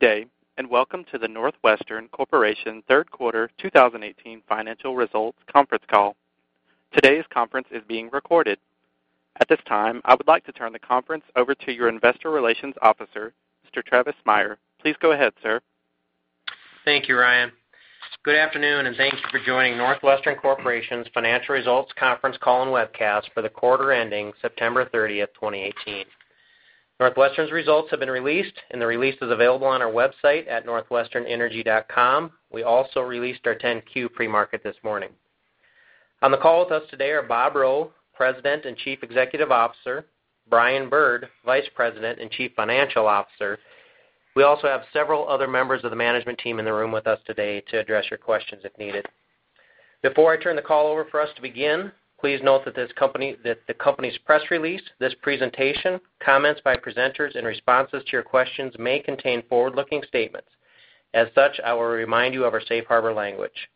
Good day, and welcome to the NorthWestern Corporation third quarter 2018 financial results conference call. Today's conference is being recorded. At this time, I would like to turn the conference over to your Investor Relations Officer, Mr. Travis Meyer. Please go ahead, sir. Thank you, Ryan. Good afternoon, and thank you for joining NorthWestern Corporation's financial results conference call and webcast for the quarter ending September 30, 2018. NorthWestern's results have been released, and the release is available on our website at northwesternenergy.com. We also released our 10-Q pre-market this morning. On the call with us today are Bob Rowe, President and Chief Executive Officer, Brian Bird, Vice President and Chief Financial Officer. We also have several other members of the management team in the room with us today to address your questions if needed. Before I turn the call over for us to begin, please note that the company's press release, this presentation, comments by presenters, and responses to your questions may contain forward-looking statements. As such, I will remind you of our safe harbor language.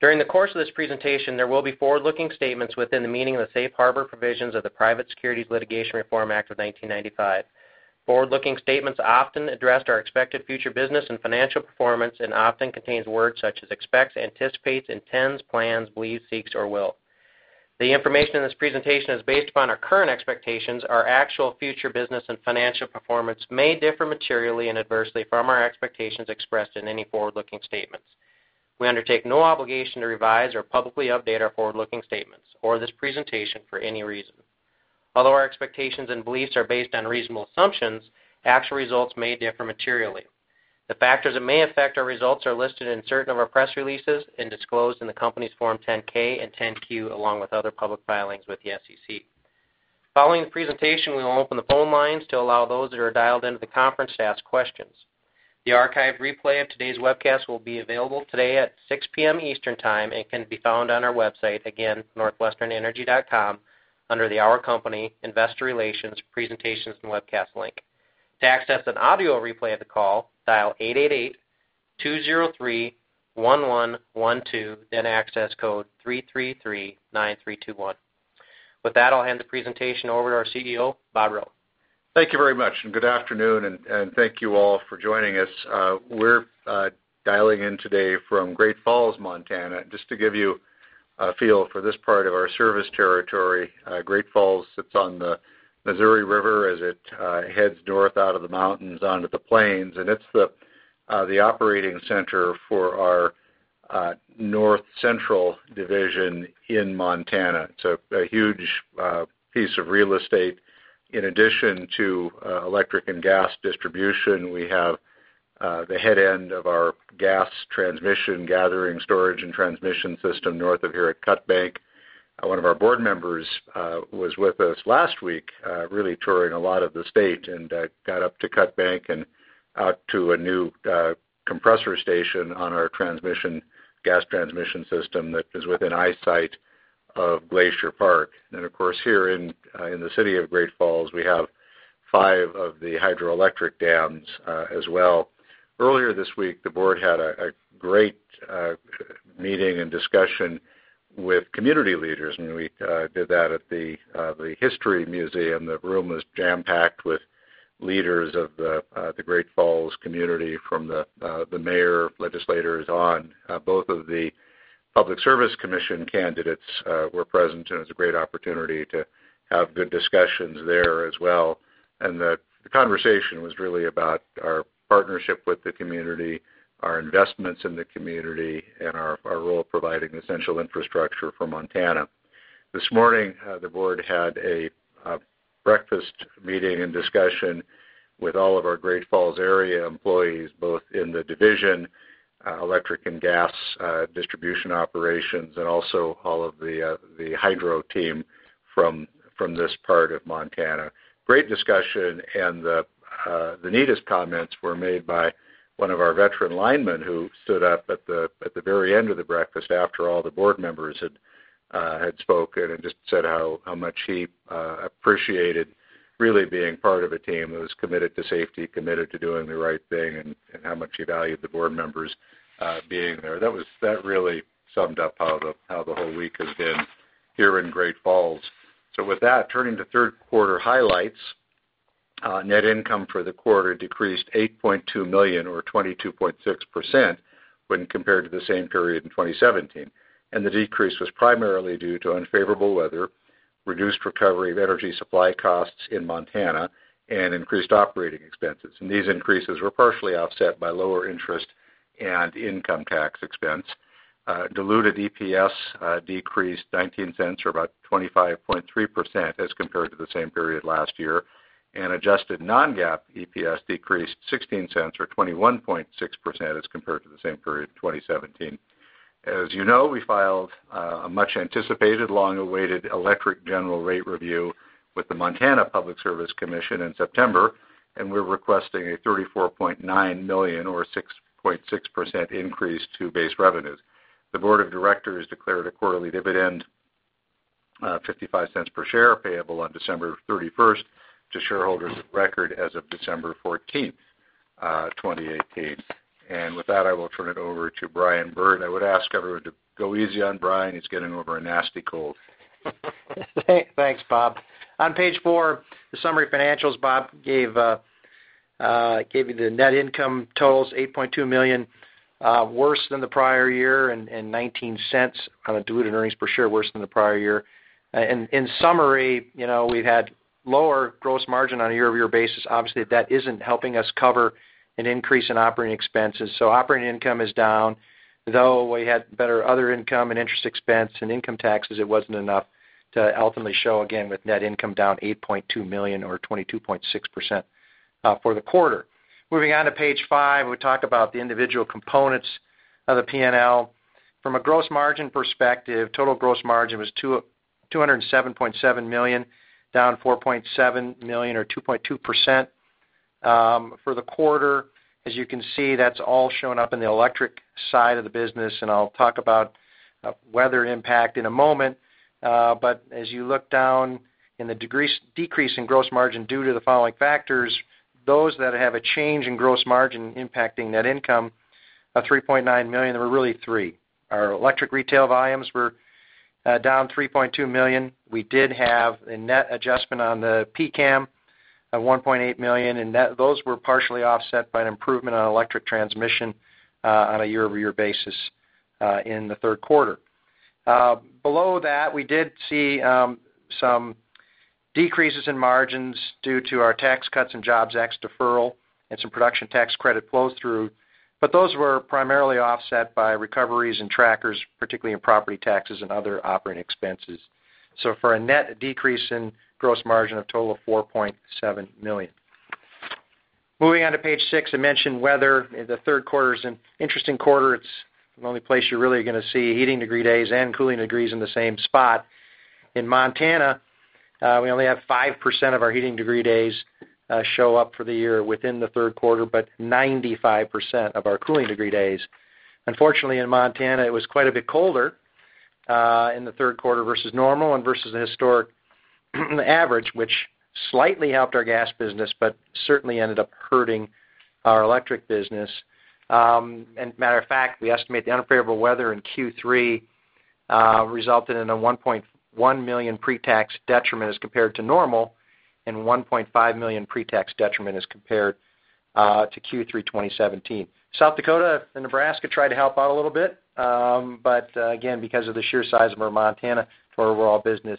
During the course of this presentation, there will be forward-looking statements within the meaning of the safe harbor provisions of the Private Securities Litigation Reform Act of 1995. Forward-looking statements often address our expected future business and financial performance, and often contains words such as expects, anticipates, intends, plans, believes, seeks, or will. The information in this presentation is based upon our current expectations. Our actual future business and financial performance may differ materially and adversely from our expectations expressed in any forward-looking statements. We undertake no obligation to revise or publicly update our forward-looking statements or this presentation for any reason. Although our expectations and beliefs are based on reasonable assumptions, actual results may differ materially. The factors that may affect our results are listed in certain of our press releases and disclosed in the company's Form 10-K and 10-Q, along with other public filings with the SEC. Following the presentation, we will open the phone lines to allow those that are dialed into the conference to ask questions. The archived replay of today's webcast will be available today at 6:00 P.M. Eastern Time and can be found on our website, again, northwesternenergy.com, under the Our Company, Investor Relations, Presentations, and Webcasts link. To access an audio replay of the call, dial 888-203-1112, then access code 3339321. With that, I'll hand the presentation over to our CEO, Bob Rowe. Thank you very much. Good afternoon. Thank you all for joining us. We're dialing in today from Great Falls, Montana. Just to give you a feel for this part of our service territory, Great Falls sits on the Missouri River as it heads north out of the mountains onto the plains. It's the operating center for our North Central division in Montana. It's a huge piece of real estate. In addition to electric and gas distribution, we have the head end of our gas transmission gathering, storage, and transmission system north of here at Cut Bank. One of our board members was with us last week really touring a lot of the state and got up to Cut Bank and out to a new compressor station on our gas transmission system that is within eyesight of Glacier Park. Of course, here in the city of Great Falls, we have five of the hydroelectric dams as well. Earlier this week, the board had a great meeting and discussion with community leaders. We did that at the history museum. The room was jam-packed with leaders of the Great Falls community from the mayor, legislators on. Both of the Public Service Commission candidates were present. It's a great opportunity to have good discussions there as well. The conversation was really about our partnership with the community, our investments in the community, and our role providing essential infrastructure for Montana. This morning, the board had a breakfast meeting and discussion with all of our Great Falls area employees, both in the division, electric and gas distribution operations, and also all of the hydro team from this part of Montana. Great discussion. The neatest comments were made by one of our veteran linemen who stood up at the very end of the breakfast after all the board members had spoken and just said how much he appreciated really being part of a team that was committed to safety, committed to doing the right thing, and how much he valued the board members being there. That really summed up how the whole week has been here in Great Falls. With that, turning to third quarter highlights. Net income for the quarter decreased $8.2 million or 22.6% when compared to the same period in 2017. The decrease was primarily due to unfavorable weather, reduced recovery of energy supply costs in Montana, and increased operating expenses. These increases were partially offset by lower interest and income tax expense. Diluted EPS decreased $0.19, or about 25.3% as compared to the same period last year. Adjusted non-GAAP EPS decreased $0.16 or 21.6% as compared to the same period in 2017. As you know, we filed a much-anticipated, long-awaited electric general rate review with the Montana Public Service Commission in September. We're requesting a $34.9 million or 6.6% increase to base revenues. The board of directors declared a quarterly dividend, $0.55 per share, payable on December 31st, to shareholders of record as of December 14th, 2018. With that, I will turn it over to Brian Bird. I would ask everyone to go easy on Brian. He's getting over a nasty cold. Thanks, Bob. On page four, the summary financials, Bob gave you the net income totals, $8.2 million, worse than the prior year, and $0.19 on a diluted earnings per share, worse than the prior year. In summary, we've had lower gross margin on a year-over-year basis. Obviously, that isn't helping us cover an increase in operating expenses. Operating income is down. Though we had better other income and interest expense and income taxes, it wasn't enough to ultimately show, again, with net income down $8.2 million or 22.6% for the quarter. Moving on to page five, we talk about the individual components of the P&L. From a gross margin perspective, total gross margin was $207.7 million, down $4.7 million or 2.2% for the quarter. As you can see, that's all shown up in the electric side of the business, and I'll talk about weather impact in a moment. As you look down in the decrease in gross margin due to the following factors, those that have a change in gross margin impacting net income of $3.9 million, there were really three. Our electric retail volumes were down $3.2 million. We did have a net adjustment on the PCCAM of $1.8 million, and those were partially offset by an improvement on electric transmission on a year-over-year basis in the third quarter. Below that, we did see some decreases in margins due to our Tax Cuts and Jobs Act deferral and some production tax credit flow-through, but those were primarily offset by recoveries and trackers, particularly in property taxes and other operating expenses. For a net decrease in gross margin, a total of $4.7 million. Moving on to page six, I mentioned weather. The third quarter's an interesting quarter. It's the only place you're really going to see heating degree days and cooling degrees in the same spot. In Montana, we only have 5% of our heating degree days show up for the year within the third quarter, but 95% of our cooling degree days. Unfortunately, in Montana, it was quite a bit colder, in the third quarter versus normal and versus the historic average, which slightly helped our gas business, but certainly ended up hurting our electric business. Matter of fact, we estimate the unfavorable weather in Q3, resulted in a $1.1 million pre-tax detriment as compared to normal and $1.5 million pre-tax detriment as compared to Q3 2017. South Dakota and Nebraska tried to help out a little bit. Again, because of the sheer size of Montana for overall business,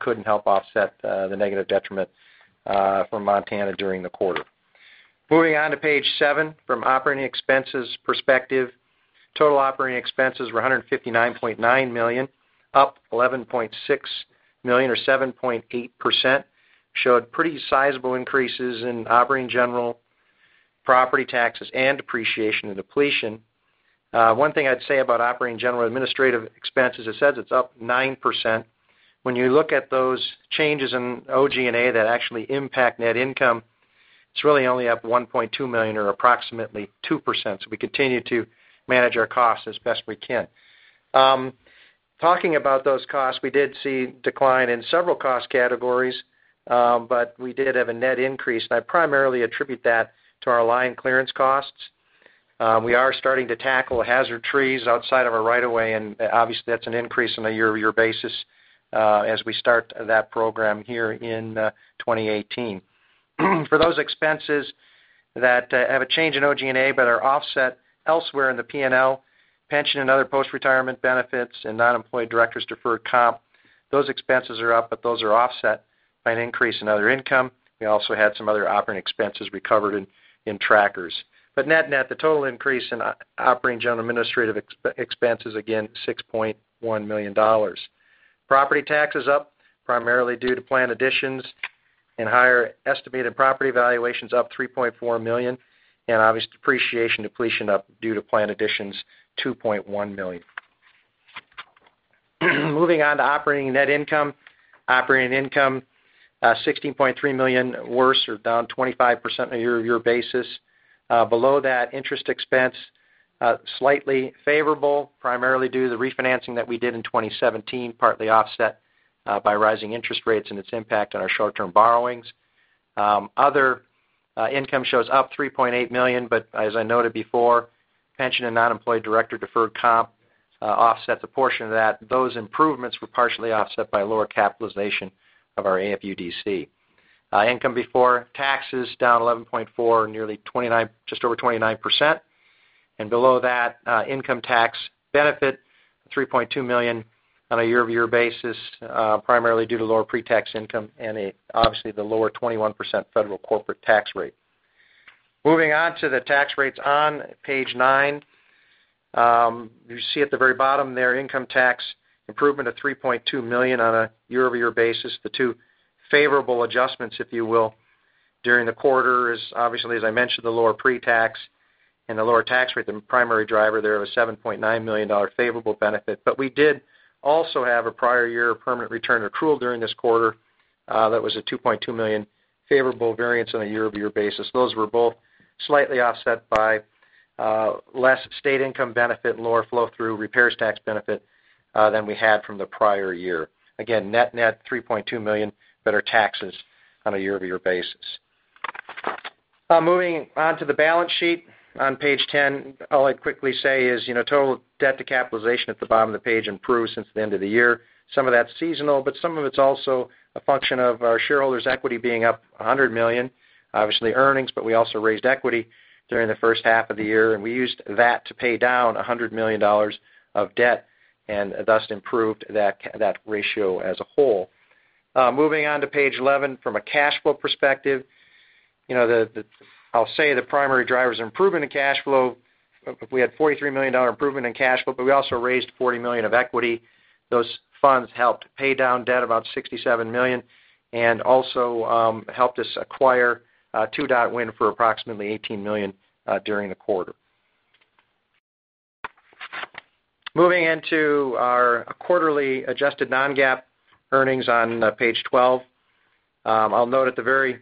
couldn't help offset the negative detriment from Montana during the quarter. Moving on to page seven, from operating expenses perspective, total operating expenses were $159.9 million, up $11.6 million or 7.8%, showed pretty sizable increases in operating general, property taxes, and depreciation and depletion. One thing I'd say about Operating, General & Administrative expenses, it says it's up 9%. When you look at those changes in OG&A that actually impact net income, it's really only up $1.2 million or approximately 2%. We continue to manage our costs as best we can. Talking about those costs, we did see decline in several cost categories, but we did have a net increase, and I primarily attribute that to our line clearance costs. We are starting to tackle hazard trees outside of a right of way, and obviously, that's an increase on a year-over-year basis as we start that program here in 2018. For those expenses that have a change in OG&A but are offset elsewhere in the P&L, pension and other post-retirement benefits and non-employee directors' deferred comp, those expenses are up, but those are offset by an increase in other income. We also had some other operating expenses we covered in trackers. Net, the total increase in operating general administrative expenses, again, $6.1 million. Property taxes up, primarily due to planned additions and higher estimated property valuations up $3.4 million and obvious depreciation, depletion up due to planned additions, $2.1 million. Moving on to operating net income. Operating income, $16.3 million worse or down 25% on a year-over-year basis. Below that, interest expense, slightly favorable, primarily due to the refinancing that we did in 2017, partly offset by rising interest rates and its impact on our short-term borrowings. Other income shows up $3.8 million, but as I noted before, pension and non-employee director deferred comp offsets a portion of that. Those improvements were partially offset by lower capitalization of our AFUDC. Income before taxes down $11.4 million, just over 29%, and below that, income tax benefit, $3.2 million on a year-over-year basis, primarily due to lower pre-tax income and obviously the lower 21% federal corporate tax rate. Moving on to the tax rates on page nine. You see at the very bottom there, income tax improvement of $3.2 million on a year-over-year basis. The two favorable adjustments, if you will, during the quarter is obviously, as I mentioned, the lower pre-tax and the lower tax rate. The primary driver there of a $7.9 million favorable benefit. We did also have a prior year permanent return accrual during this quarter, that was a $2.2 million favorable variance on a year-over-year basis. Those were both slightly offset by less state income benefit and lower flow-through repairs tax benefit, than we had from the prior year. Again, net $3.2 million better taxes on a year-over-year basis. Moving on to the balance sheet on page 10, all I'd quickly say is, total debt to capitalization at the bottom of the page improved since the end of the year. Some of that's seasonal, but some of it's also a function of our shareholders' equity being up $100 million. Obviously earnings, but we also raised equity during the first half of the year, and we used that to pay down $100 million of debt and thus improved that ratio as a whole. Moving on to page 11, from a cash flow perspective, I'll say the primary driver is improvement in cash flow. We had $43 million improvement in cash flow, but we also raised $40 million of equity. Those funds helped pay down debt about $67 million, and also helped us acquire Two Dot Wind for approximately $18 million during the quarter. Moving into our quarterly adjusted non-GAAP earnings on page 12. I'll note at the very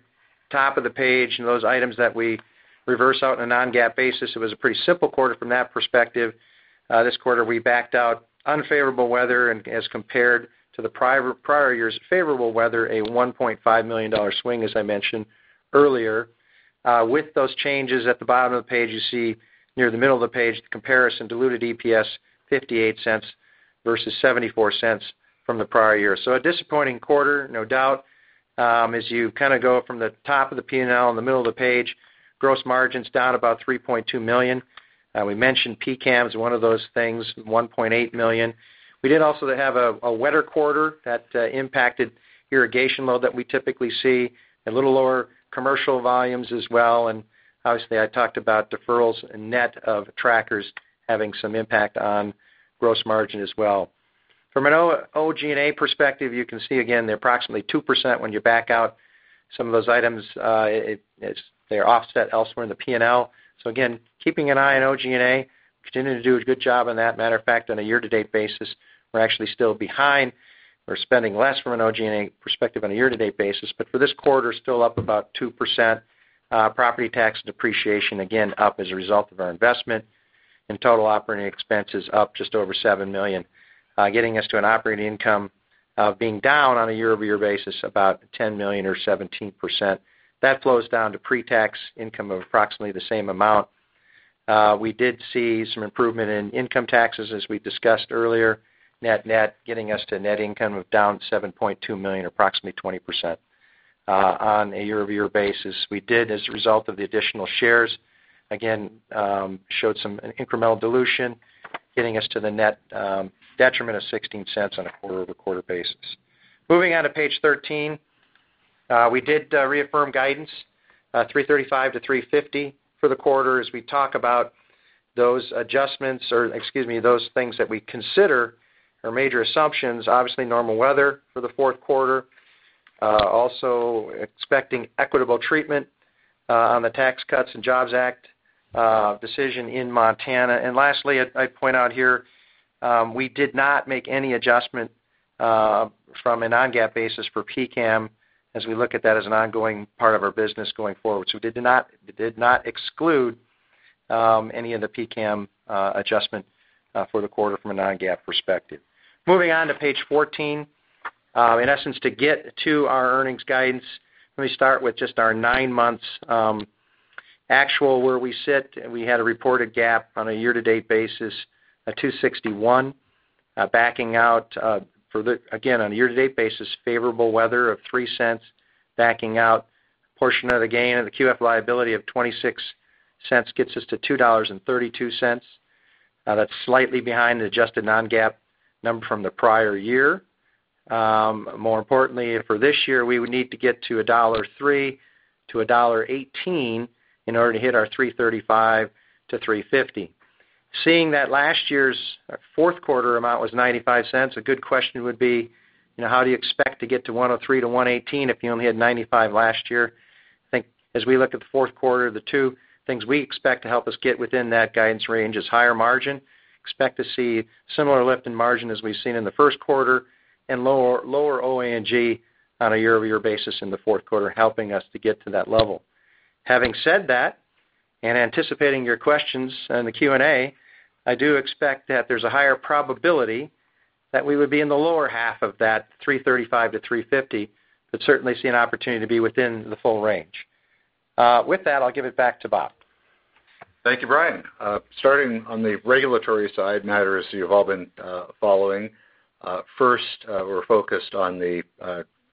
top of the page, those items that we reverse out in a non-GAAP basis, it was a pretty simple quarter from that perspective. This quarter, we backed out unfavorable weather as compared to the prior year's favorable weather, a $1.5 million swing, as I mentioned earlier. With those changes, at the bottom of the page, you see near the middle of the page, the comparison diluted EPS $0.58 versus $0.74 from the prior year. A disappointing quarter, no doubt. As you go from the top of the P&L in the middle of the page, gross margin's down about $3.2 million. We mentioned PCCAM is one of those things, $1.8 million. We did also have a wetter quarter that impacted irrigation load that we typically see. A little lower commercial volumes as well, and obviously, I talked about deferrals net of trackers having some impact on gross margin as well. From an OG&A perspective, you can see again, they're approximately 2% when you back out some of those items. They're offset elsewhere in the P&L. Again, keeping an eye on OG&A. Continuing to do a good job on that. Matter of fact, on a year-to-date basis, we're actually still behind. We're spending less from an OG&A perspective on a year-to-date basis. For this quarter, still up about 2%. Property tax depreciation, again, up as a result of our investment. Total operating expenses up just over $7 million. Getting us to an operating income of being down on a year-over-year basis about $10 million or 17%. That flows down to pre-tax income of approximately the same amount. We did see some improvement in income taxes, as we discussed earlier, net getting us to net income of down $7.2 million, approximately 20% on a year-over-year basis. We did, as a result of the additional shares, again, showed some incremental dilution, getting us to the net detriment of $0.16 on a quarter-over-quarter basis. Moving on to page 13. We did reaffirm guidance, $3.35-$3.50 for the quarter, as we talk about those things that we consider our major assumptions. Obviously, normal weather for the fourth quarter. Also expecting equitable treatment on the Tax Cuts and Jobs Act decision in Montana. Lastly, I'd point out here, we did not make any adjustment from a non-GAAP basis for PCCAM as we look at that as an ongoing part of our business going forward. Did not exclude any of the PCCAM adjustment for the quarter from a non-GAAP perspective. Moving on to page 14. In essence, to get to our earnings guidance, let me start with just our nine months actual where we sit. We had a reported GAAP on a year-to-date basis of $2.61. Backing out, again, on a year-to-date basis, favorable weather of $0.03, backing out portion of the gain of the QF liability of $0.26 gets us to $2.32. That's slightly behind the adjusted non-GAAP number from the prior year. More importantly for this year, we would need to get to $1.03-$1.18 in order to hit our $3.35-$3.50. Seeing that last year's fourth quarter amount was $0.95, a good question would be, how do you expect to get to $1.03-$1.18 if you only had $0.95 last year? I think as we look at the fourth quarter, the two things we expect to help us get within that guidance range is higher margin. Expect to see similar lift in margin as we've seen in the first quarter, and lower OG&A on a year-over-year basis in the fourth quarter, helping us to get to that level. Having said that, anticipating your questions in the Q&A, I do expect that there's a higher probability that we would be in the lower half of that 335 to 350, but certainly see an opportunity to be within the full range. With that, I'll give it back to Bob. Thank you, Brian. Starting on the regulatory side, matters you've all been following. First, we're focused on the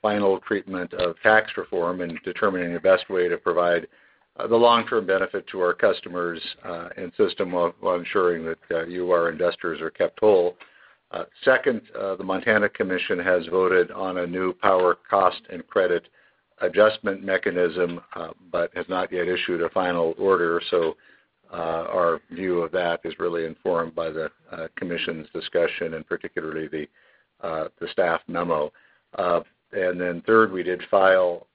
final treatment of tax reform and determining the best way to provide the long-term benefit to our customers and system while ensuring that you, our investors, are kept whole. Second, the Montana Commission has voted on a new power cost and credit adjustment mechanism but has not yet issued a final order, so our view of that is really informed by the commission's discussion, particularly the staff memo. Third, we did file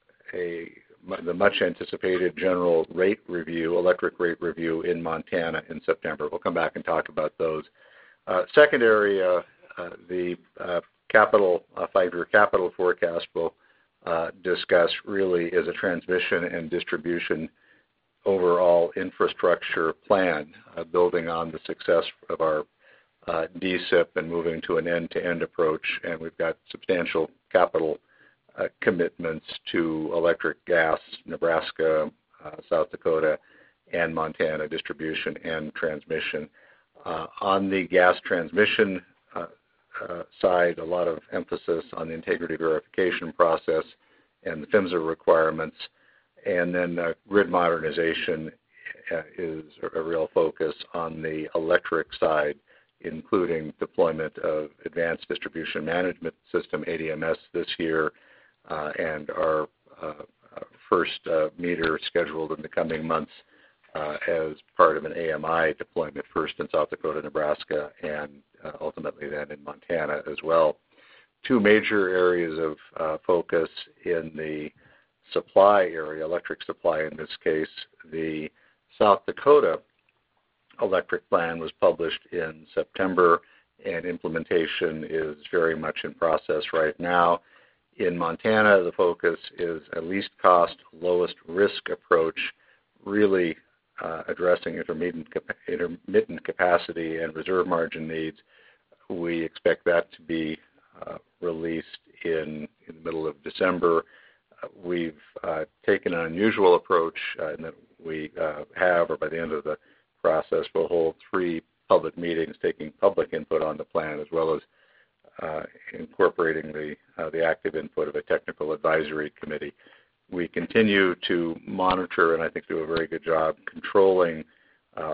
the much-anticipated general rate review, electric rate review in Montana in September. We'll come back and talk about those. Second area, the five-year capital forecast we'll discuss really is a transmission and distribution overall infrastructure plan, building on the success of our DSIP and moving to an end-to-end approach. We've got substantial capital commitments to electric gas, Nebraska, South Dakota, and Montana distribution and transmission. On the gas transmission side, a lot of emphasis on the integrity verification process and the PHMSA requirements. Grid modernization is a real focus on the electric side, including deployment of advanced distribution management system, ADMS, this year, and our first meter scheduled in the coming months, as part of an AMI deployment, first in South Dakota, Nebraska, and ultimately then in Montana as well. Two major areas of focus in the supply area, electric supply in this case, the South Dakota Electric Plan was published in September, and implementation is very much in process right now. In Montana, the focus is a least cost, lowest risk approach, really addressing intermittent capacity and reserve margin needs. We expect that to be released in the middle of December. We've taken an unusual approach in that we have, or by the end of the process, we'll hold three public meetings, taking public input on the plan, as well as incorporating the active input of a technical advisory committee. We continue to monitor, and I think do a very good job controlling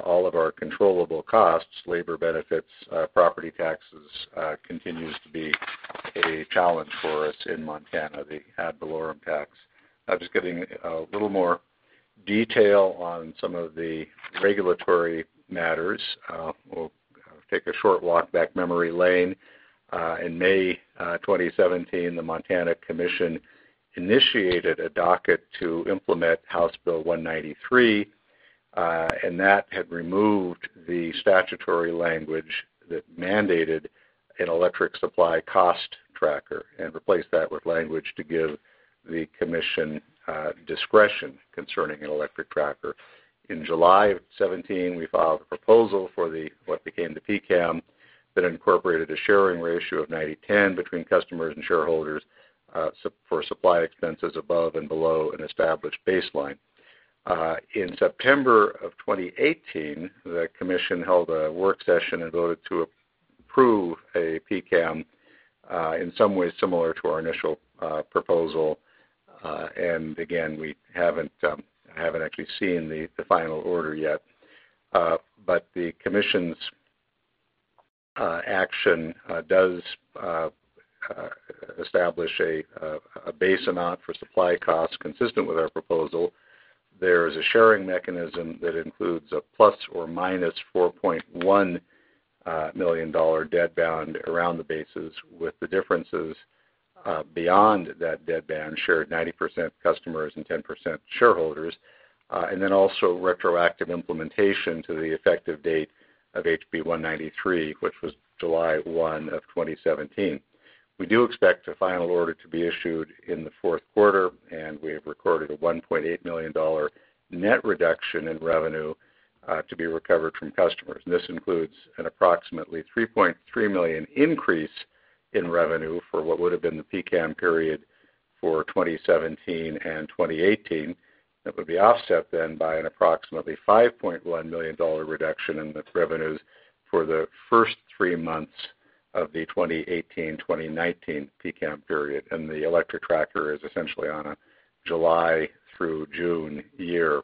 all of our controllable costs. Labor benefits, property taxes continues to be a challenge for us in Montana, the ad valorem tax. Just giving a little more detail on some of the regulatory matters. We'll take a short walk back memory lane. In May 2017, the Montana Commission initiated a docket to implement House Bill 193. That had removed the statutory language that mandated an electric supply cost tracker and replaced that with language to give the Commission discretion concerning an electric tracker. In July of 2017, we filed a proposal for what became the PCCAM that incorporated a sharing ratio of 90/10 between customers and shareholders, for supply expenses above and below an established baseline. In September of 2018, the Commission held a work session and voted to approve a PCCAM, in some ways similar to our initial proposal. We haven't actually seen the final order yet. But the Commission's action does establish a base amount for supply costs consistent with our proposal. There is a sharing mechanism that includes a plus or minus $4.1 million dead band around the base, with the differences beyond that dead band shared 90% customers and 10% shareholders. Also retroactive implementation to the effective date of HB 193, which was July 1, 2017. We do expect a final order to be issued in the fourth quarter, and we have recorded a $1.8 million net reduction in revenue, to be recovered from customers. This includes an approximately $3.3 million increase in revenue for what would've been the PCCAM period for 2017 and 2018. That would be offset then by an approximately $5.1 million reduction in the revenues for the first three months of the 2018-2019 PCCAM period, and the electric tracker is essentially on a July through June year.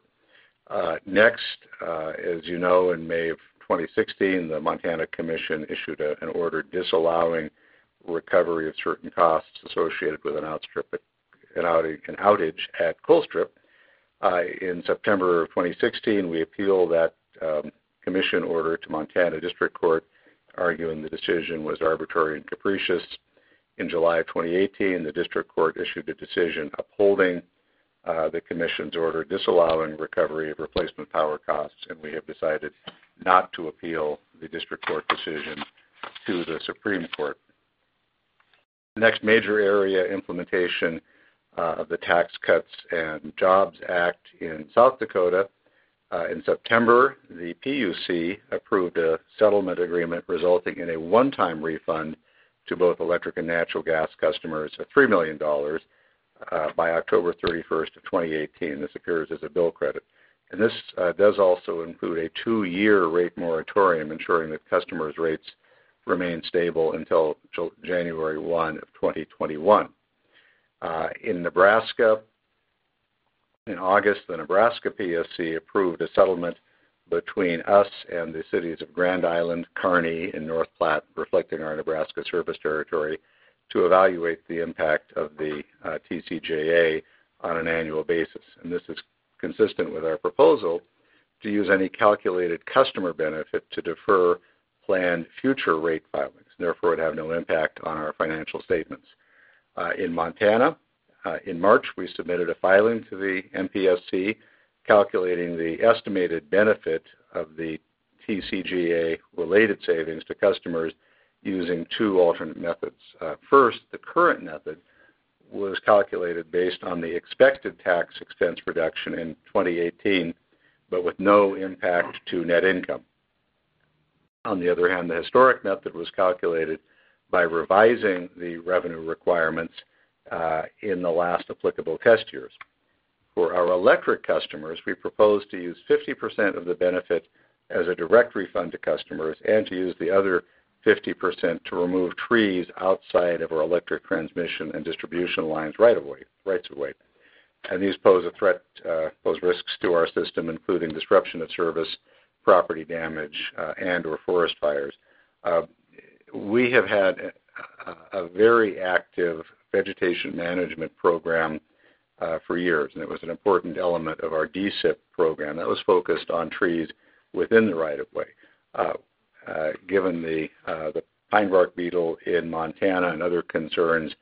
Next, as you know, in May of 2016, the Montana Commission issued an order disallowing recovery of certain costs associated with an outage at Colstrip. In September of 2016, we appealed that Commission order to Montana District Court, arguing the decision was arbitrary and capricious. In July of 2018, the District Court issued a decision upholding the Commission's order disallowing recovery of replacement power costs, and we have decided not to appeal the District Court decision to the Supreme Court. The next major area implementation of the Tax Cuts and Jobs Act in South Dakota. In September, the PUC approved a settlement agreement resulting in a one-time refund to both electric and natural gas customers of $3 million by October 31, 2018. This occurs as a bill credit. This does also include a two-year rate moratorium, ensuring that customers' rates remain stable until January 1, 2021. In Nebraska, in August, the Nebraska PSC approved a settlement between us and the cities of Grand Island, Kearney, and North Platte, reflecting our Nebraska service territory to evaluate the impact of the TCJA on an annual basis. This is consistent with our proposal to use any calculated customer benefit to defer planned future rate filings. Therefore, it would have no impact on our financial statements. In Montana, in March, we submitted a filing to the MPSC calculating the estimated benefit of the TCJA-related savings to customers using two alternate methods. First, the current method was calculated based on the expected tax expense reduction in 2018, but with no impact to net income. On the other hand, the historic method was calculated by revising the revenue requirements in the last applicable test years. For our electric customers, we propose to use 50% of the benefit as a direct refund to customers and to use the other 50% to remove trees outside of our electric transmission and distribution lines rights of way. These pose a threat, pose risks to our system, including disruption of service, property damage, and/or forest fires. We have had a very active vegetation management program for years, and it was an important element of our DSIP program that was focused on trees within the right of way. Given the pine bark beetle in Montana and other concerns,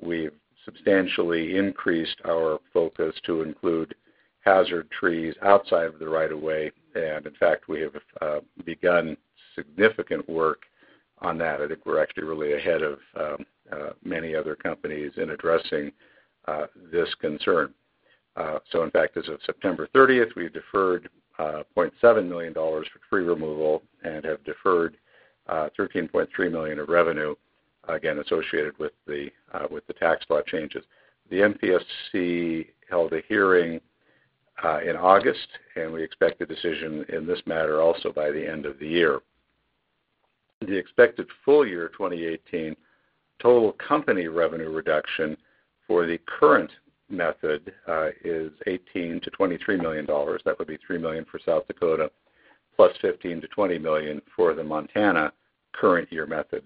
we've substantially increased our focus to include hazard trees outside of the right of way. In fact, we have begun significant work on that. I think we're actually really ahead of many other companies in addressing this concern. In fact, as of September 30th, we've deferred $0.7 million for tree removal and have deferred $13.3 million of revenue, again, associated with the tax law changes. The MPSC held a hearing in August, and we expect a decision in this matter also by the end of the year. The expected full year 2018 total company revenue reduction for the current method is $18 million-$23 million. That would be $3 million for South Dakota, plus $15 million-$20 million for the Montana current year method,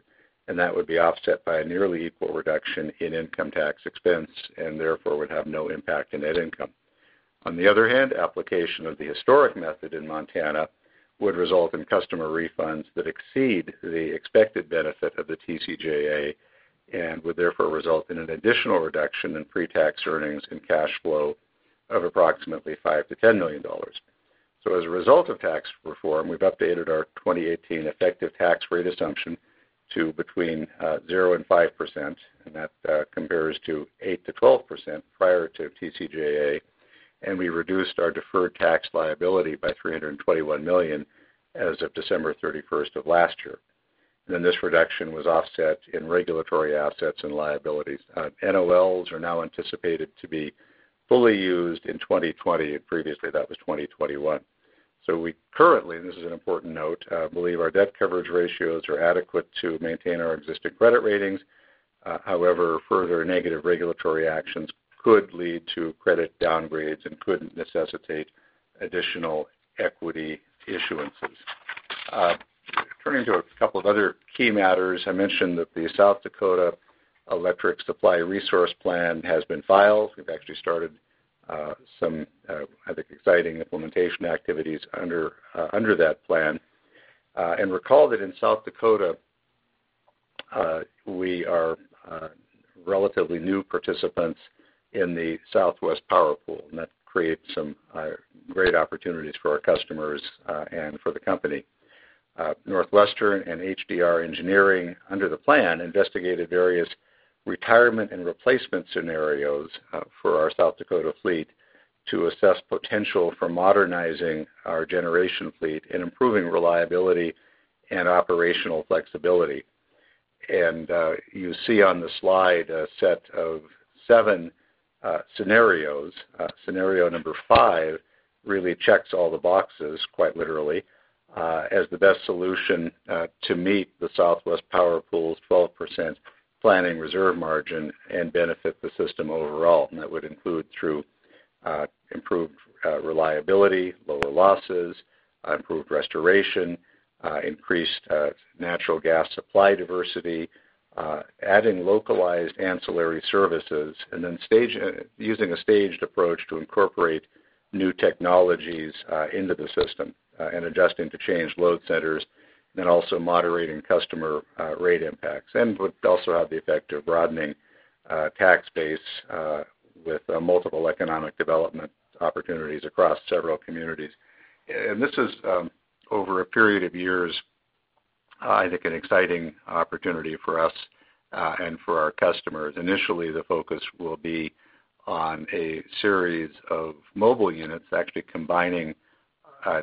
and that would be offset by a nearly equal reduction in income tax expense and therefore would have no impact on net income. On the other hand, application of the historic method in Montana would result in customer refunds that exceed the expected benefit of the TCJA and would therefore result in an additional reduction in pre-tax earnings and cash flow of approximately $5 million-$10 million. As a result of tax reform, we've updated our 2018 effective tax rate assumption to between 0%-5%, and that compares to 8%-12% prior to TCJA. We reduced our deferred tax liability by $321 million as of December 31st of last year. This reduction was offset in regulatory assets and liabilities. NOLs are now anticipated to be fully used in 2020. Previously, that was 2021. We currently, this is an important note, believe our debt coverage ratios are adequate to maintain our existing credit ratings. However, further negative regulatory actions could lead to credit downgrades and could necessitate additional equity issuances. Turning to a couple of other key matters. I mentioned that the South Dakota Electric Supply Resource Plan has been filed. We've actually started some, I think, exciting implementation activities under that plan. Recall that in South Dakota, we are relatively new participants in the Southwest Power Pool, and that creates some great opportunities for our customers and for the company. NorthWestern and HDR Engineering, under the plan, investigated various retirement and replacement scenarios for our South Dakota fleet to assess potential for modernizing our generation fleet and improving reliability and operational flexibility. You see on the slide a set of seven scenarios. Scenario number 5 really checks all the boxes, quite literally, as the best solution to meet the Southwest Power Pool's 12% planning reserve margin and benefit the system overall. That would include through improved reliability, lower losses, improved restoration, increased natural gas supply diversity, adding localized ancillary services, using a staged approach to incorporate new technologies into the system and adjusting to change load centers, also moderating customer rate impacts. Would also have the effect of broadening tax base with multiple economic development opportunities across several communities. This is, over a period of years, I think, an exciting opportunity for us and for our customers. Initially, the focus will be on a series of mobile units actually combining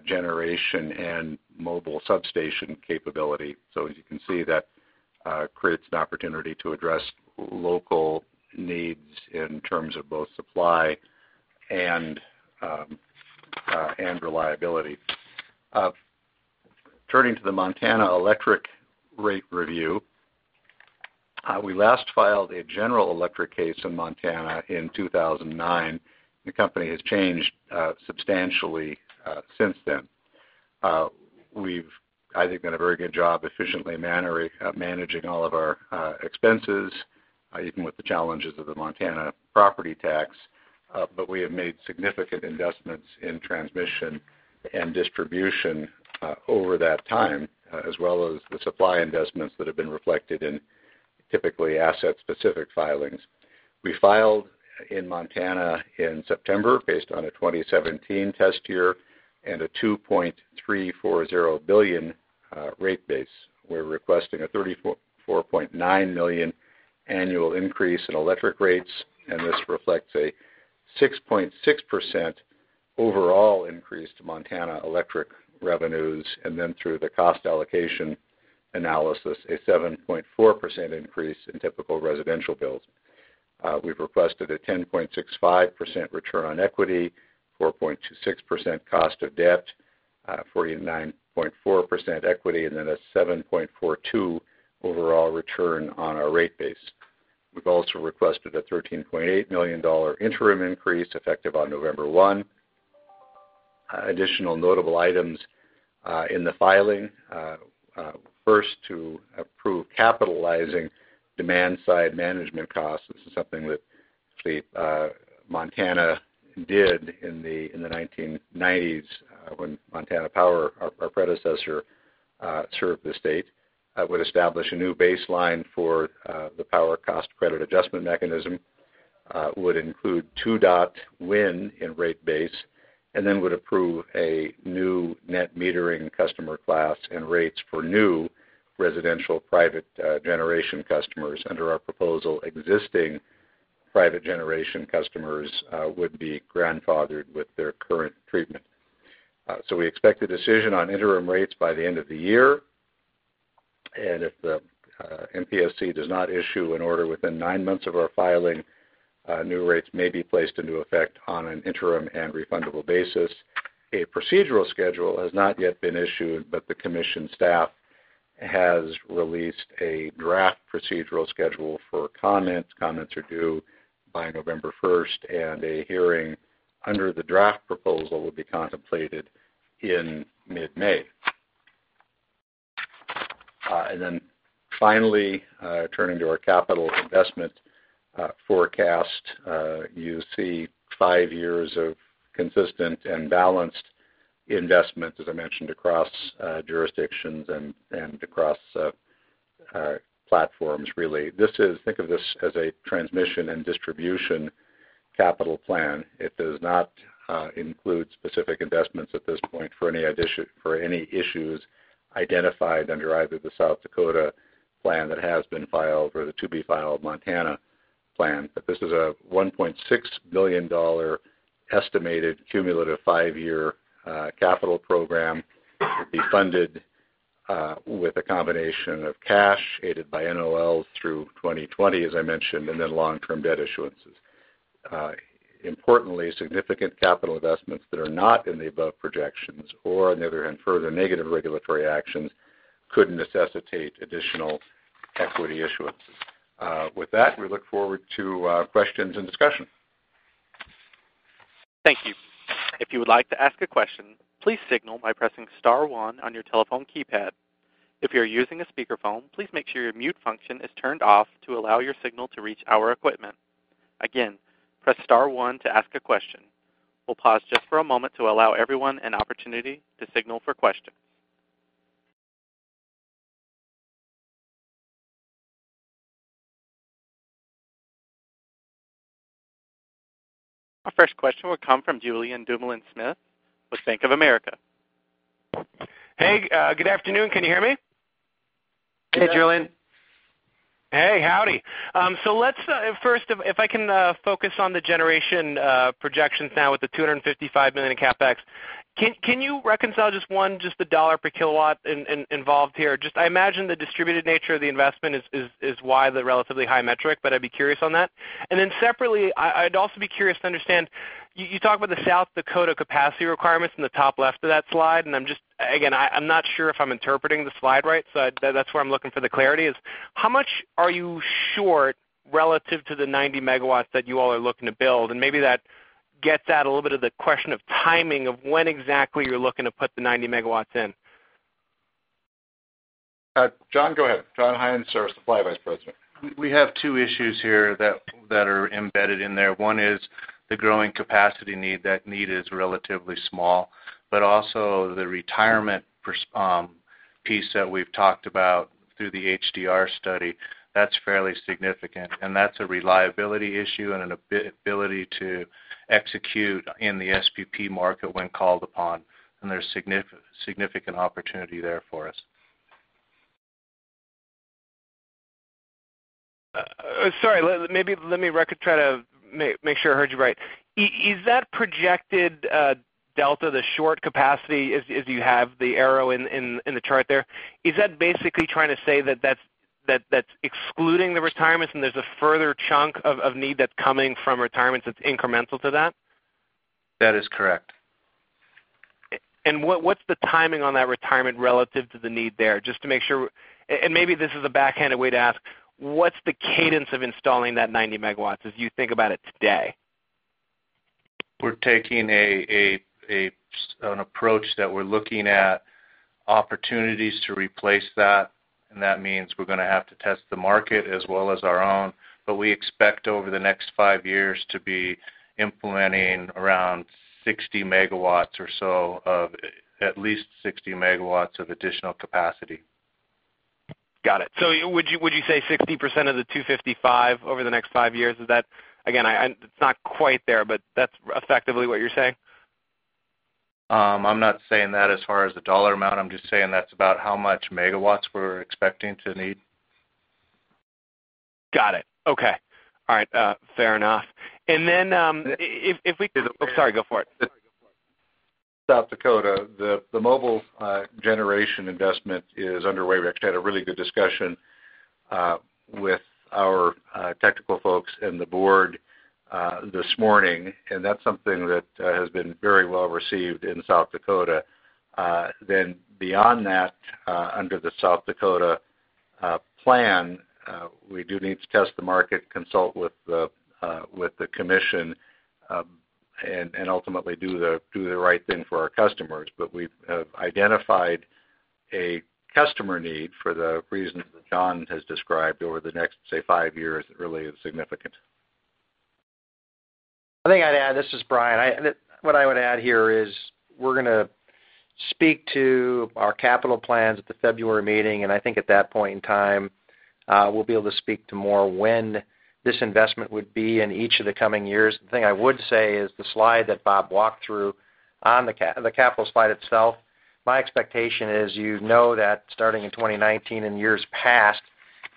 generation and mobile substation capability. As you can see, that creates an opportunity to address local needs in terms of both supply and reliability. Turning to the Montana electric rate review. We last filed a general electric case in Montana in 2009. The company has changed substantially since then. We've, I think, done a very good job efficiently managing all of our expenses, even with the challenges of the Montana property tax. We have made significant investments in transmission and distribution over that time, as well as the supply investments that have been reflected in typically asset-specific filings. We filed in Montana in September, based on a 2017 test year and a $2.340 billion rate base. We're requesting a $34.9 million annual increase in electric rates, this reflects a 6.6% overall increase to Montana electric revenues. Through the cost allocation analysis, a 7.4% increase in typical residential bills. We've requested a 10.65% return on equity, 4.26% cost of debt, 49.4% equity, a 7.42% overall return on our rate base. We've also requested a $13.8 million interim increase effective on November 1. Additional notable items in the filing. First, to approve capitalizing demand side management costs. This is something that Montana did in the 1990s when Montana Power, our predecessor, served the state. Would establish a new baseline for the power cost credit adjustment mechanism. Would include Two Dot Wind in rate base, would approve a new net metering customer class and rates for new residential private generation customers. Under our proposal, existing private generation customers would be grandfathered with their current treatment. We expect a decision on interim rates by the end of the year. If the MPSC does not issue an order within nine months of our filing, new rates may be placed into effect on an interim and refundable basis. A procedural schedule has not yet been issued, but the commission staff has released a draft procedural schedule for comments. Comments are due by November 1st, a hearing under the draft proposal will be contemplated in mid-May. Finally, turning to our capital investment forecast. You see five years of consistent and balanced investment, as I mentioned, across jurisdictions and across platforms, really. Think of this as a transmission and distribution capital plan. It does not include specific investments at this point for any issues identified under either the South Dakota plan that has been filed or the to-be-filed Montana plan. This is a $1.6 billion estimated cumulative five-year capital program to be funded with a combination of cash, aided by NOLs through 2020, as I mentioned, long-term debt issuances. Importantly, significant capital investments that are not in the above projections or, on the other hand, further negative regulatory actions could necessitate additional equity issuances. With that, we look forward to questions and discussion. Thank you. If you would like to ask a question, please signal by pressing star one on your telephone keypad. If you're using a speakerphone, please make sure your mute function is turned off to allow your signal to reach our equipment. Again, press star one to ask a question. We'll pause just for a moment to allow everyone an opportunity to signal for questions. Our first question will come from Julien Dumoulin-Smith with Bank of America. Hey, good afternoon. Can you hear me? Hey, Julien. Hey, howdy. Let's, first, if I can focus on the generation projections now with the $255 million CapEx. Can you reconcile just one, just the dollar per kilowatt involved here? I imagine the distributed nature of the investment is why the relatively high metric, but I'd be curious on that. Separately, I'd also be curious to understand, you talk about the South Dakota capacity requirements in the top left of that slide, and I'm just, again, I'm not sure if I'm interpreting the slide right, so that's where I'm looking for the clarity is, how much are you short relative to the 90 MW that you all are looking to build? Maybe that gets at a little bit of the question of timing of when exactly you're looking to put the 90 MW in. John, go ahead. John Hines, service supply Vice President. We have two issues here that are embedded in there. One is the growing capacity need. That need is relatively small. Also the retirement piece that we've talked about through the HDR study. That's fairly significant, and that's a reliability issue and an ability to execute in the SPP market when called upon. There's significant opportunity there for us. Sorry. Maybe let me try to make sure I heard you right. Is that projected delta, the short capacity, as you have the arrow in the chart there, is that basically trying to say that that's excluding the retirements and there's a further chunk of need that's coming from retirements that's incremental to that? That is correct. What's the timing on that retirement relative to the need there? Just to make sure. Maybe this is a backhanded way to ask, what's the cadence of installing that 90 MW as you think about it today? We're taking an approach that we're looking at opportunities to replace that, and that means we're going to have to test the market as well as our own. We expect over the next 5 years to be implementing around 60 MW or so, at least 60 MW of additional capacity. Got it. Would you say 60% of the 255 over the next 5 years? Again, it's not quite there, but that's effectively what you're saying? I'm not saying that as far as the dollar amount. I'm just saying that's about how much MW we're expecting to need. Got it. Okay. All right. Fair enough. Oh, sorry, go for it. South Dakota, the mobile generation investment is underway. We actually had a really good discussion with our technical folks and the board this morning, and that's something that has been very well received in South Dakota. Beyond that, under the South Dakota plan, we do need to test the market, consult with the Commission, and ultimately do the right thing for our customers. We've identified a customer need for the reasons that John has described over the next, say, five years that really is significant. I think I'd add, this is Brian. What I would add here is we're going to speak to our capital plans at the February meeting, and I think at that point in time, we'll be able to speak to more when this investment would be in each of the coming years. The thing I would say is the slide that Bob walked through on the capital slide itself. My expectation is you know that starting in 2019 and years past,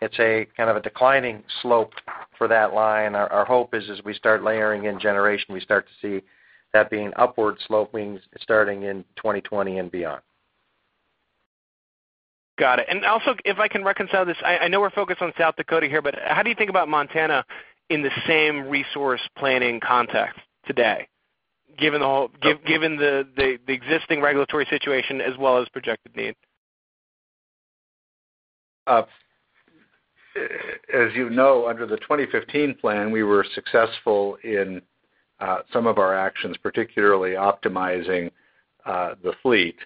it's a declining slope for that line. Our hope is as we start layering in generation, we start to see that being upward sloping starting in 2020 and beyond. Got it. Also, if I can reconcile this, I know we're focused on South Dakota here, but how do you think about Montana in the same resource planning context today, given the existing regulatory situation as well as projected need? As you know, under the 2015 plan, we were successful in some of our actions, particularly optimizing the fleet.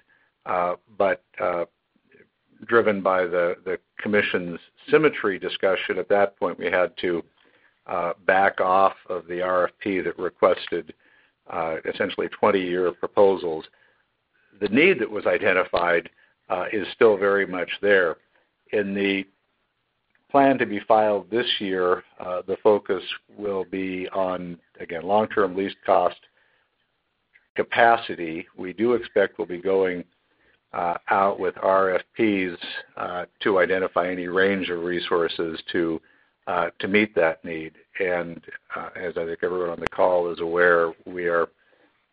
Driven by the Commission's symmetry discussion at that point, we had to back off of the RFP that requested essentially 20-year proposals. The need that was identified is still very much there. In the plan to be filed this year, the focus will be on, again, long-term lease cost capacity. We do expect we'll be going out with RFPs to identify any range of resources to meet that need. As I think everyone on the call is aware, we are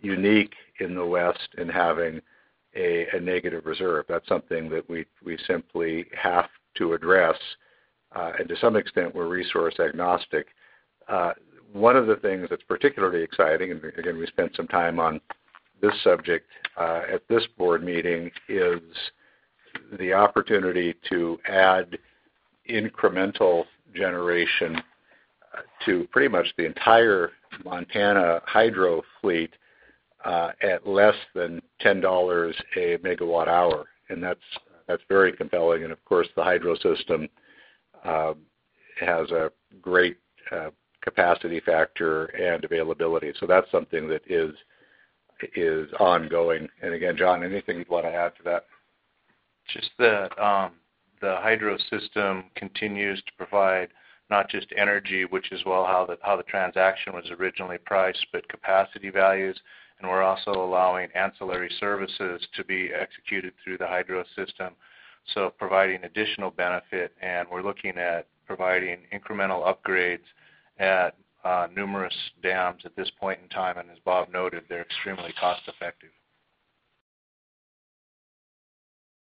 unique in the West in having a negative reserve. That's something that we simply have to address. To some extent, we're resource agnostic. One of the things that's particularly exciting, again, we spent some time on this subject at this board meeting, is the opportunity to add incremental generation to pretty much the entire Montana hydro fleet at less than $10 a megawatt hour. That's very compelling, and of course, the hydro system has a great capacity factor and availability. That's something that is ongoing. Again, John, anything you'd want to add to that? Just that the hydro system continues to provide not just energy, which is how the transaction was originally priced, but capacity values. We're also allowing ancillary services to be executed through the hydro system, so providing additional benefit. We're looking at providing incremental upgrades at numerous dams at this point in time. As Bob noted, they're extremely cost-effective.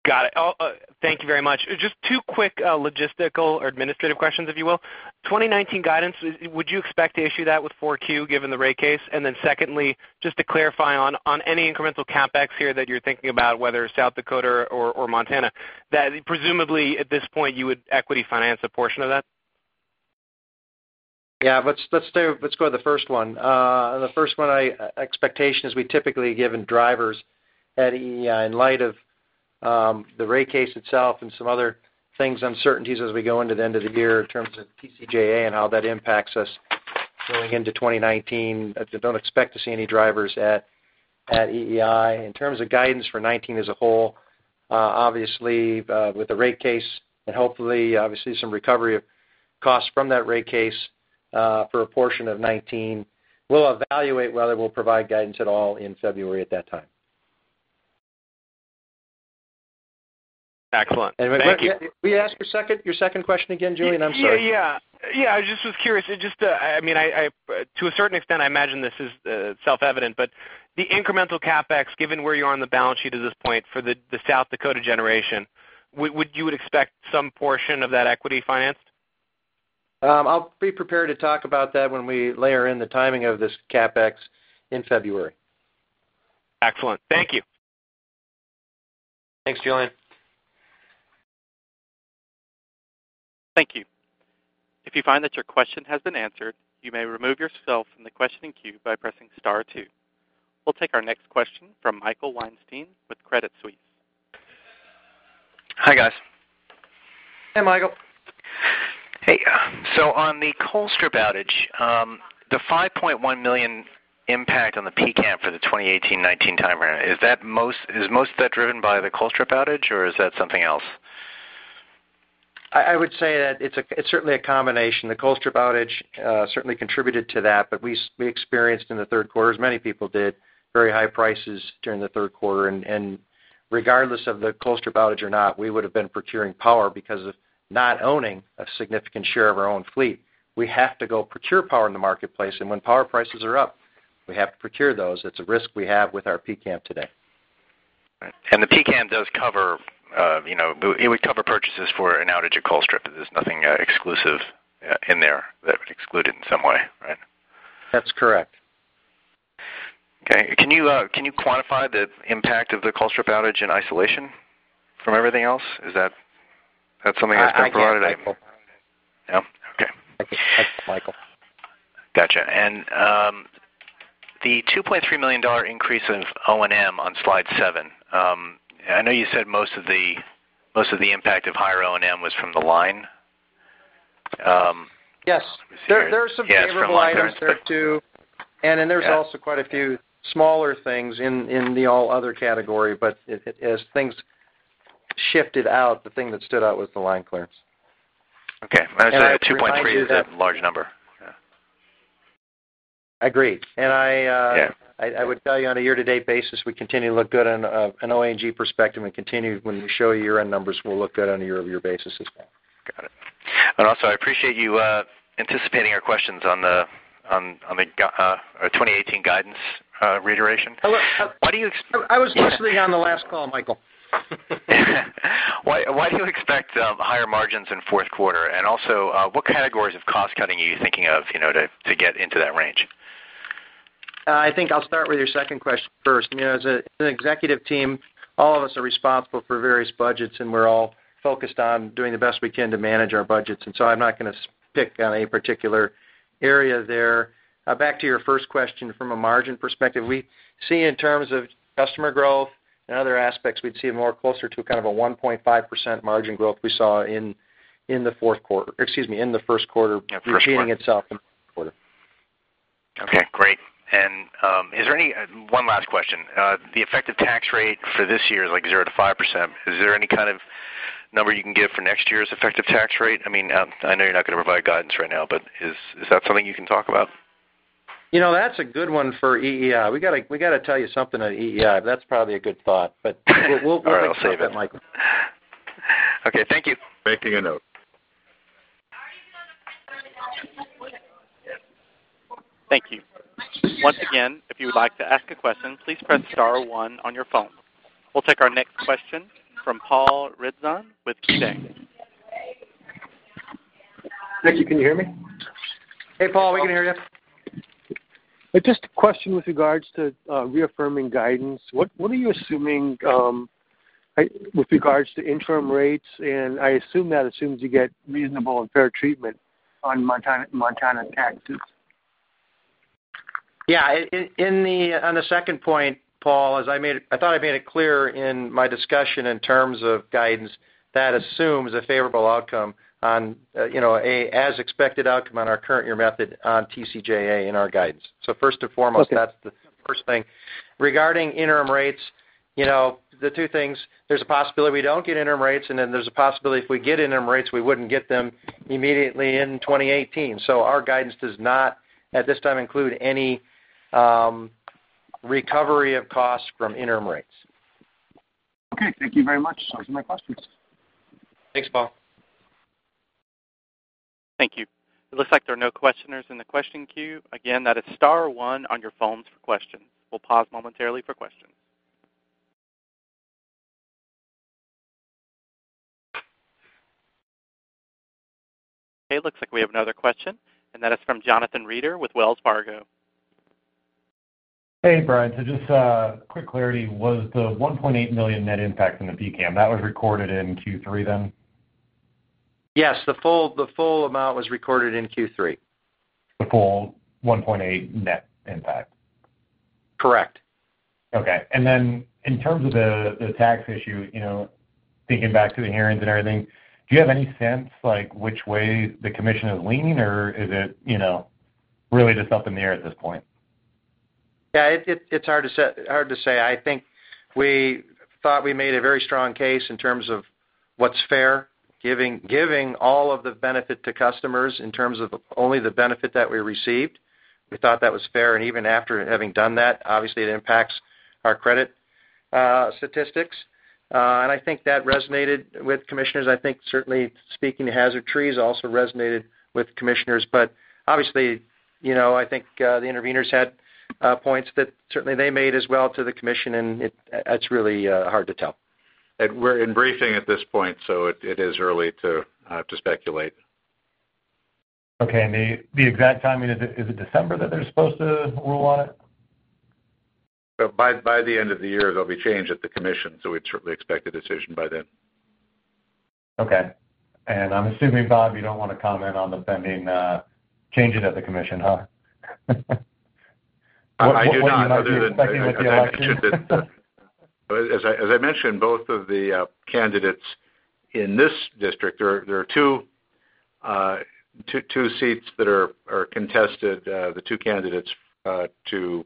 Got it. Thank you very much. Just two quick logistical or administrative questions, if you will. 2019 guidance, would you expect to issue that with 4Q given the rate case? Then secondly, just to clarify on any incremental CapEx here that you're thinking about, whether it's South Dakota or Montana, that presumably at this point you would equity finance a portion of that? Yeah, let's go to the first one. The first one expectation is we typically give drivers at EEI in light of the rate case itself and some other things, uncertainties as we go into the end of the year in terms of TCJA and how that impacts us going into 2019. Don't expect to see any drivers at EEI. In terms of guidance for 2019 as a whole, obviously, with the rate case and hopefully, some recovery of costs from that rate case for a portion of 2019. We'll evaluate whether we'll provide guidance at all in February at that time. Excellent. Thank you. Will you ask your second question again, Julien? I'm sorry. Yeah. I just was curious. To a certain extent, I imagine this is self-evident, but the incremental CapEx, given where you are on the balance sheet at this point for the South Dakota generation, you would expect some portion of that equity financed? I'll be prepared to talk about that when we layer in the timing of this CapEx in February. Excellent. Thank you. Thanks, Julien. Thank you. If you find that your question has been answered, you may remove yourself from the questioning queue by pressing *2. We'll take our next question from Michael Weinstein with Credit Suisse. Hi, guys. Hey, Michael. Hey. On the Colstrip outage, the $5.1 million impact on the PCCAM for the 2018-2019 time frame, is most of that driven by the Colstrip outage or is that something else? I would say that it's certainly a combination. The Colstrip outage certainly contributed to that. We experienced in the third quarter, as many people did, very high prices during the third quarter, regardless of the Colstrip outage or not, we would've been procuring power because of not owning a significant share of our own fleet. We have to go procure power in the marketplace, when power prices are up, we have to procure those. It's a risk we have with our PCCAM today. Right. The PCCAM does cover purchases for an outage at Colstrip. There's nothing exclusive in there that would exclude it in some way, right? That's correct. Okay. Can you quantify the impact of the Colstrip outage in isolation from everything else? Is that something that's been provided? I can't, Michael. No? Okay. That's Michael. Gotcha. The $2.3 million increase in O&M on slide seven. I know you said most of the impact of higher O&M was from the line. Yes. Yes, from line items. There are some favorite items there, too. Yeah. There's also quite a few smaller things in the all other category, but as things shifted out, the thing that stood out was the line clearance. Okay. I remind you that. 2.3 is a large number. Yeah. Agree. Yeah I would tell you on a year-to-date basis, we continue to look good on an OG&A perspective and continue when we show year-end numbers, we'll look good on a year-over-year basis as well. Got it. Also, I appreciate you anticipating our questions on the 2018 guidance reiteration. I was listening on the last call, Michael. Why do you expect higher margins in fourth quarter? Also, what categories of cost-cutting are you thinking of to get into that range? I think I'll start with your second question first. As an executive team, all of us are responsible for various budgets, and we're all focused on doing the best we can to manage our budgets. So I'm not going to pick on any particular area there. Back to your first question, from a margin perspective, we see in terms of customer growth and other aspects, we'd see more closer to a kind of a 1.5% margin growth we saw in the fourth quarter. Excuse me, in the first quarter- Yeah, first quarter. repeating itself in the fourth quarter. Okay, great. One last question. The effective tax rate for this year is like 0%-5%. Is there any kind of number you can give for next year's effective tax rate? I know you're not going to provide guidance right now. Is that something you can talk about? That's a good one for EEI. We got to tell you something at EEI. That's probably a good thought. All right. I'll save it. talk to Michael. Okay. Thank you. Making a note. Thank you. Once again, if you would like to ask a question, please press star one on your phone. We will take our next question from Paul Ridzon with KeyBanc. Ricky, can you hear me? Hey, Paul. We can hear you. Just a question with regards to reaffirming guidance. What are you assuming with regards to interim rates? I assume that assumes you get reasonable and fair treatment on Montana taxes. On the second point, Paul, I thought I made it clear in my discussion in terms of guidance, that assumes a favorable outcome on, as expected outcome on our current year method on TCJA in our guidance. Okay That's the first thing. Regarding interim rates, the two things, there's a possibility we don't get interim rates, and then there's a possibility if we get interim rates, we wouldn't get them immediately in 2018. Our guidance does not, at this time, include any recovery of costs from interim rates. Okay. Thank you very much. Those are my questions. Thanks, Paul. Thank you. It looks like there are no questioners in the question queue. Again, that is star one on your phones for questions. We'll pause momentarily for questions. Okay. Looks like we have another question, and that is from Jonathan Reeder with Wells Fargo. Hey, Brian. Just quick clarity, was the $1.8 million net impact in the PCCAM, that was recorded in Q3? Yes, the full amount was recorded in Q3. The full $1.8 net impact? Correct. Okay. Then in terms of the tax issue, thinking back to the hearings and everything, do you have any sense like which way the commission is leaning, or is it really just up in the air at this point? Yeah. It's hard to say. I think we thought we made a very strong case in terms of what's fair, giving all of the benefit to customers in terms of only the benefit that we received. We thought that was fair. Even after having done that, obviously, it impacts our credit statistics. I think that resonated with commissioners. I think certainly speaking to hazard trees also resonated with commissioners. Obviously, I think, the interveners had points that certainly they made as well to the commission, and that's really hard to tell. We're in briefing at this point, it is early to speculate. Okay. The exact timing, is it December that they're supposed to rule on it? By the end of the year, there'll be change at the commission, we'd certainly expect a decision by then. Okay. I'm assuming, Bob, you don't want to comment on the pending changes at the commission, huh? I do not, other than, as I mentioned, both of the candidates in this district. There are two seats that are contested. The two candidates to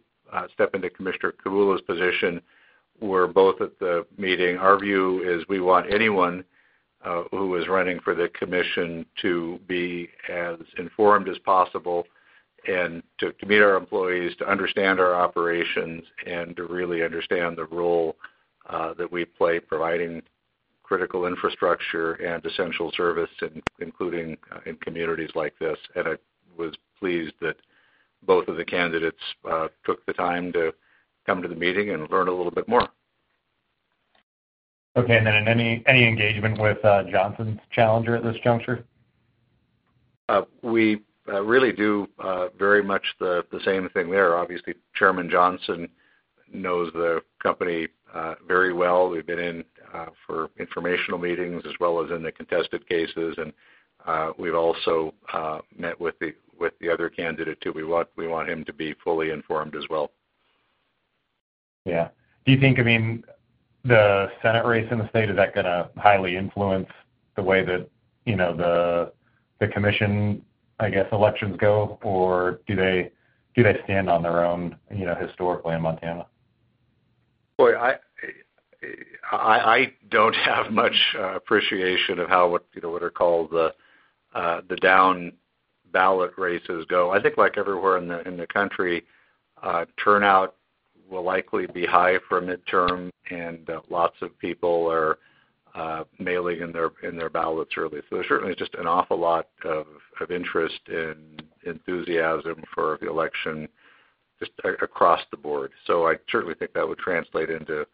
step into Commissioner Kavulla's position were both at the meeting. Our view is we want anyone who is running for the commission to be as informed as possible and to meet our employees, to understand our operations, and to really understand the role that we play providing critical infrastructure and essential service, including in communities like this. I was pleased that both of the candidates took the time to come to the meeting and learn a little bit more. Okay. Then any engagement with Johnson's challenger at this juncture? We really do very much the same thing there. Obviously, Brad Johnson knows the company very well. We've been in for informational meetings, as well as in the contested cases. We've also met with the other candidate, too. We want him to be fully informed as well. Yeah. Do you think the Senate race in the state, is that going to highly influence the way that the commission, I guess, elections go? Do they stand on their own historically in Montana? Boy, I don't have much appreciation of how what are called the down-ballot races go. I think like everywhere in the country, turnout will likely be high for midterm, and lots of people are mailing in their ballots early. There's certainly just an awful lot of interest and enthusiasm for the election just across the board. I certainly think that would translate into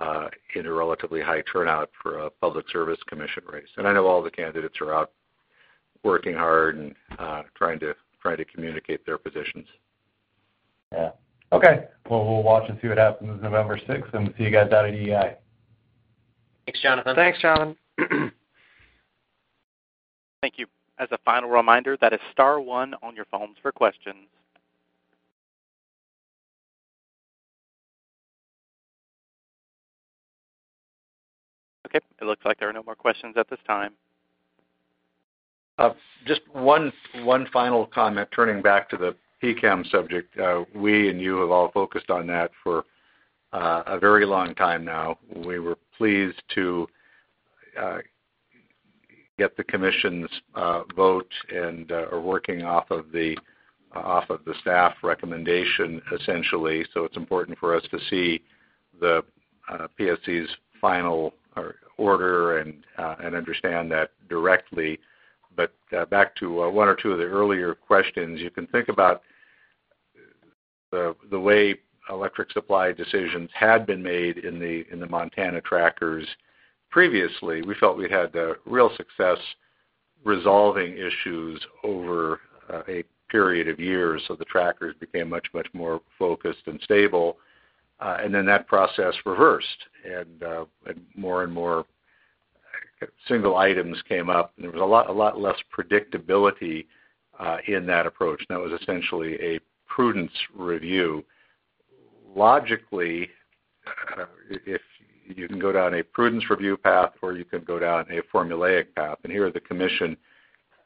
a relatively high turnout for a Public Service Commission race. I know all the candidates are out working hard and trying to communicate their positions. Yeah. Okay. We'll watch and see what happens November sixth, and we'll see you guys out at EEI. Thanks, Jonathan. Thanks, John. Thank you. As a final reminder, that is star one on your phones for questions. It looks like there are no more questions at this time. Just one final comment, turning back to the PCCAM subject. We and you have all focused on that for a very long time now. We were pleased to get the commission's vote and are working off of the staff recommendation, essentially. It's important for us to see the PSC's final order and understand that directly. Back to one or two of the earlier questions. You can think about the way electric supply decisions had been made in the Montana trackers previously. We felt we'd had a real success resolving issues over a period of years, so the trackers became much, much more focused and stable. That process reversed, and more and more single items came up, and there was a lot less predictability in that approach. That was essentially a prudence review. Logically, if you can go down a prudence review path or you can go down a formulaic path, and here the commission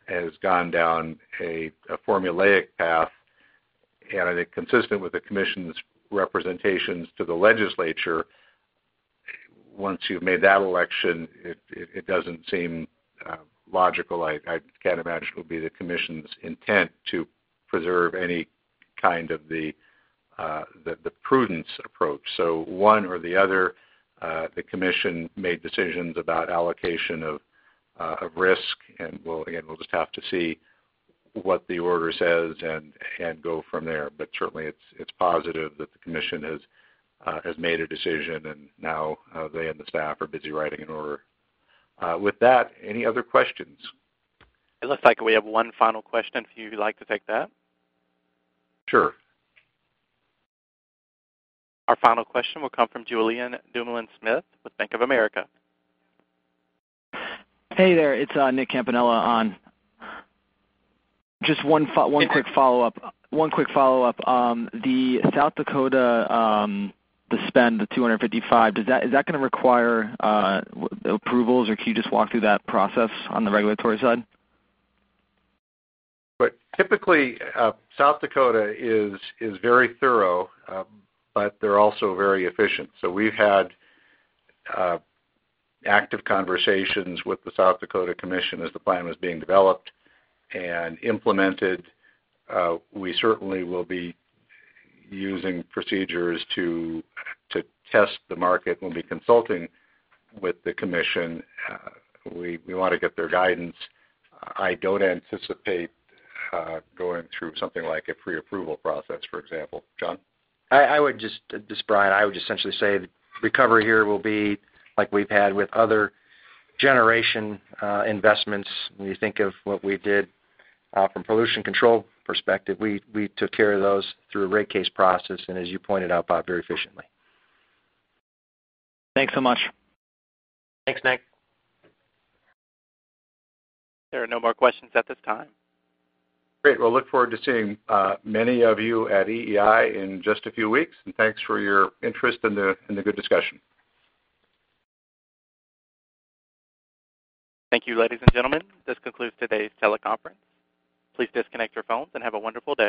has gone down a formulaic path. I think consistent with the commission's representations to the legislature, once you've made that election, it doesn't seem logical. I can't imagine it would be the commission's intent to preserve any kind of the prudence approach. One or the other, the commission made decisions about allocation of risk. Again, we'll just have to see what the order says and go from there. Certainly, it's positive that the commission has made a decision, and now they and the staff are busy writing an order. With that, any other questions? It looks like we have one final question. If you'd like to take that? Sure. Our final question will come from Julien Dumoulin-Smith with Bank of America. Hey there, it's Nicholas Campanella on. Just one quick follow-up. The South Dakota, the spend, the $255, is that going to require approvals, or can you just walk through that process on the regulatory side? Typically, South Dakota is very thorough, but they're also very efficient. We've had active conversations with the South Dakota Commission as the plan was being developed and implemented. We certainly will be using procedures to test the market. We'll be consulting with the Commission. We want to get their guidance. I don't anticipate going through something like a pre-approval process, for example. John? This is Brian. I would just essentially say the recovery here will be like we've had with other generation investments. When you think of what we did from pollution control perspective, we took care of those through a rate case process, as you pointed out, Bob, very efficiently. Thanks so much. Thanks, Nicholas. There are no more questions at this time. Great. Well, look forward to seeing many of you at EEI in just a few weeks, and thanks for your interest and the good discussion. Thank you, ladies and gentlemen. This concludes today's teleconference. Please disconnect your phones and have a wonderful day.